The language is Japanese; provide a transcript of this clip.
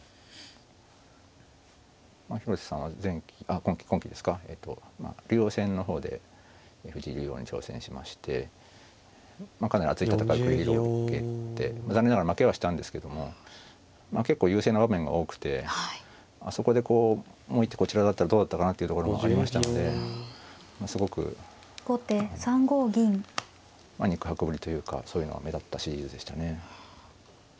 広瀬さんは今期ですか竜王戦の方で藤井竜王に挑戦しましてかなり熱い戦いを繰り広げて残念ながら負けはしたんですけども結構優勢な場面が多くてあそこでこうもう一手こちらだったらどうだったかなというところもありましたのですごく肉薄ぶりというかそういうのが目立ったシリーズでしたね。